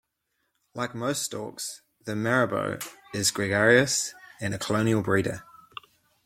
Like most storks, the marabou is gregarious and a colonial breeder.